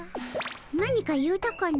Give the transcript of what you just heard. なにか言うたかの？